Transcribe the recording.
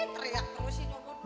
teriak terus sih nyomut